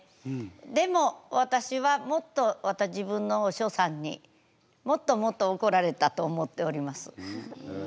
でも私はもっとまた自分のお師匠さんにもっともっと怒られたと思っております。